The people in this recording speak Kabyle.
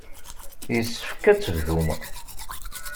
Yessefk ad tebdum.